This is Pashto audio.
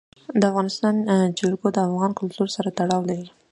د افغانستان جلکو د افغان کلتور سره تړاو لري.